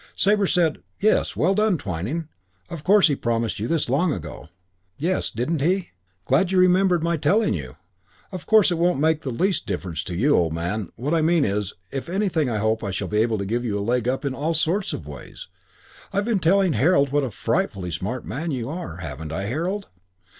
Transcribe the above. Sabre said, "Yes, well done, Twyning. Of course he promised you this long ago." "Yes, didn't he? Glad you remember my telling you. Of course it won't make the least difference to you, old man. What I mean is, if anything I hope I shall be able to give you a leg up in all sorts of ways. I've been telling Harold what a frightfully smart man you are, haven't I, Harold?"